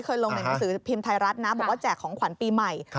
ลงในหนังสือพิมพ์ไทยรัฐนะบอกว่าแจกของขวัญปีใหม่